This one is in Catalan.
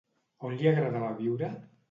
On li agradava viure?